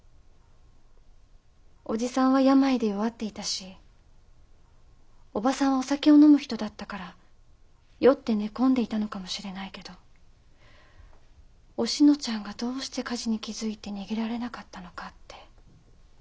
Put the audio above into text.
叔父さんは病で弱っていたし叔母さんはお酒を飲む人だったから酔って寝込んでいたのかもしれないけどおしのちゃんがどうして火事に気づいて逃げられなかったのかって。